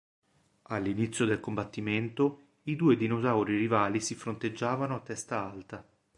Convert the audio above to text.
All'inizio del combattimento, i due dinosauri rivali si fronteggiavano a testa alta.